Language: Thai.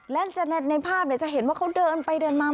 และในภาพจะเห็นว่าเขาเดินไปเดินมา